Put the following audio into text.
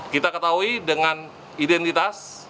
kita ketahui dengan identitas